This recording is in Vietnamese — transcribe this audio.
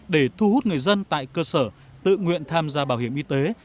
để thu hút người dân tại cơ sở tự nguyện tham gia bảo hiểm y tế